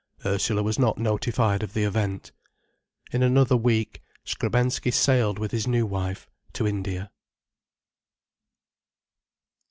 Ursula was not notified of the event. In another week, Skrebensky sailed with his new wife to India.